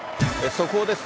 速報です。